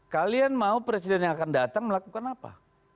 kalian mau presiden yang akan datang melakukan apa